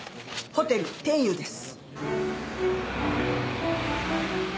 ホテル天遊です。